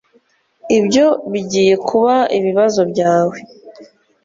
Ibyo bigiye kuba ibibazo byawe